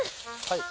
はい。